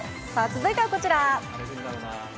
続いてはこちら。